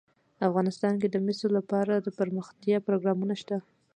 افغانستان کې د مس لپاره دپرمختیا پروګرامونه شته.